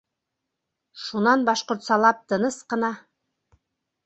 Шунан башҡортсалап тыныс ҡына: